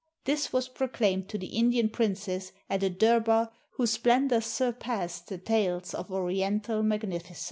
This was proclaimed to the Indian princes at a durbar whose splendor surpassed the tales of Oriental magnificence.